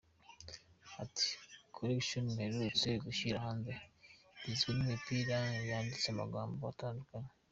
Ati” Collection mperutse gushyira hanze igizwe n’imipira yanditse amagambo atandukanye.